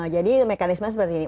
jadi mekanisme seperti ini